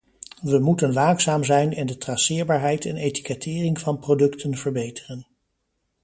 We moeten waakzaam zijn en de traceerbaarheid en etikettering van producten verbeteren.